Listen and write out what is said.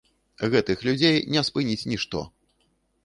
Гэтых людзей не спыніць нішто.